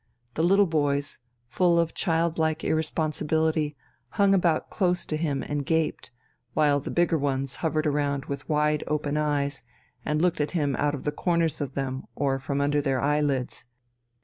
The little boys, full of childlike irresponsibility, hung about close to him and gaped, while the bigger ones hovered around with wide open eyes and looked at him out of the corners of them or from under their eyelids....